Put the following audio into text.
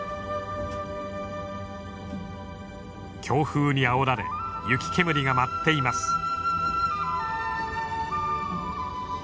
強風にあおられ雪煙が舞っています。